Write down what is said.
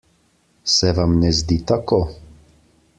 Se vam ne zdi tako?